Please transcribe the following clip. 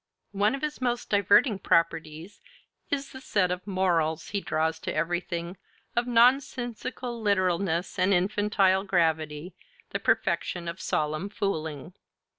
One of his most diverting "properties" is the set of "morals" he draws to everything, of nonsensical literalness and infantile gravity, the perfection of solemn fooling.